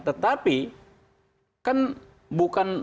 tetapi kan bukan